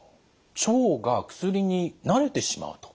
腸が薬に慣れてしまうと。